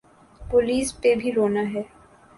Police پہ بھی رونا ہے۔